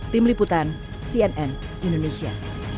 tim liputan cnn indonesia